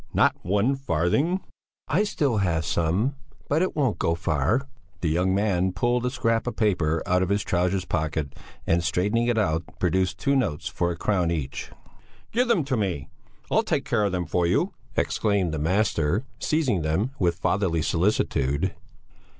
Not one farthing?" "I still have some, but it won't go far." The young man pulled a scrap of paper out of his trousers pocket, and straightening it out, produced two notes for a crown each. "Give them to me, I'll take care of them for you," exclaimed the master, seizing them with fatherly solicitude.